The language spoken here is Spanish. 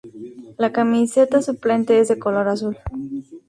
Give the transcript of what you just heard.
La camiseta suplente es de color azul.